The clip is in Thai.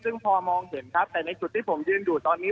ซึ่งพอมองเห็นครับแต่ในจุดที่ผมยืนอยู่ตอนนี้